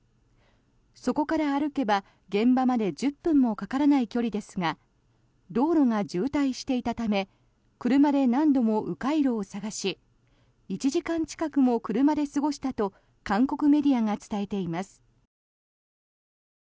そこから歩けば、現場まで１０分もかからない距離ですが道路が渋滞していたため車で何度も迂回路を探し１時間近くも車で過ごしたと韓国メディアが伝えています。